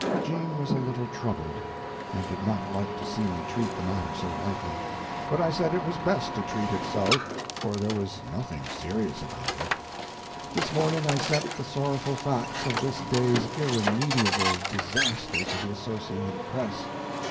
Jean was a little troubled, and did not like to see me treat the matter so lightly; but I said it was best to treat it so, for there was nothing serious about it. This morning I sent the sorrowful facts of this day's irremediable disaster to the Associated Press.